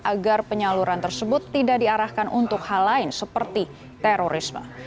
agar penyaluran tersebut tidak diarahkan untuk hal lain seperti terorisme